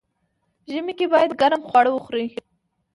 ژمی کی باید ګرم خواړه وخوري.